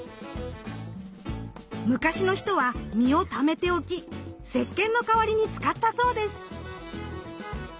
昔の人は実をためておきせっけんの代わりに使ったそうです。